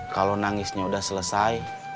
kalau nangisnya udah selesai